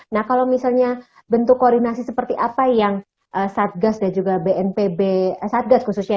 nah kalau misalnya bentuk koordinasi seperti apa yang satgas dan juga bnpb satgas khususnya